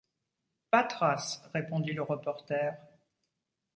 Pas trace, répondit le reporter.